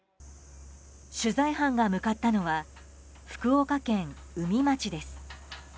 取材班が向かったのは福岡県宇美町です。